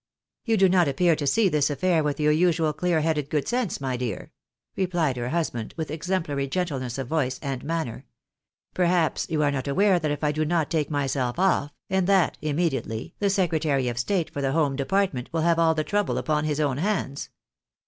" You do not appear to see this affair with your usual clear headed good sense, my dear," replied her husband, with exemplary gentleness of voice and manner. " Perhaps you are not aware that if I do not take myself ofi", and that immediately, the Secre tary of State for the Home Department will have all the trouble upon his own hands.